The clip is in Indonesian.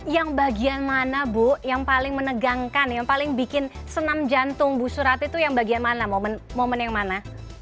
yang bagian mana bu yang paling menegangkan yang paling bikin senam jantung bu surat itu yang bagian mana momen yang mana